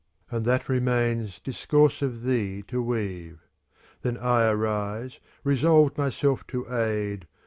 And that remains discourse of thee to weave. Then I arise, resolved myself to aid.